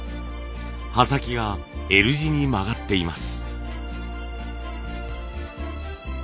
刃先がＬ字に曲がっています。